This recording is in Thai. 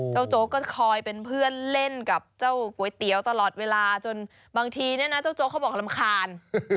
โจ๊กก็คอยเป็นเพื่อนเล่นกับเจ้าก๋วยเตี๋ยวตลอดเวลาจนบางทีเนี่ยนะเจ้าโจ๊กเขาบอกรำคาญ